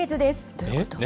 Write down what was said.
どういうこと？